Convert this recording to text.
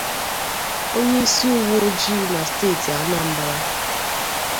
onyeisi uweojii na steeti Anambra